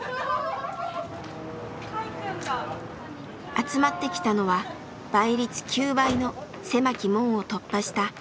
集まってきたのは倍率９倍の狭き門を突破した一期生たち。